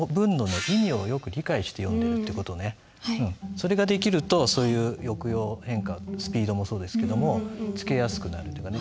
それができるとそういう抑揚変化スピードもそうですけどもつけやすくなるというかね。